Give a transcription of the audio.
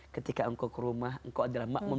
ketika engkau ke rumah engkau adalah makmum